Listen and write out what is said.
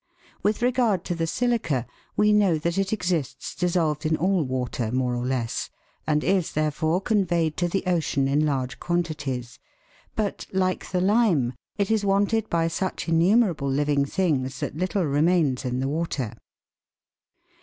With regard to the silica, we know that it exists dis solved in all water more or less, and is, therefore, conveyed to the ocean in large quantities ; but, like the lime, it is wanted by such innumerable living things that little remains in the water.